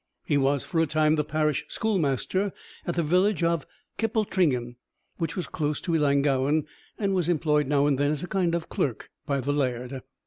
He was for a time the parish schoolmaster at the village of Kippletringan, which was close to Ellangowan, and was employed now and then as a kind of clerk by the laird.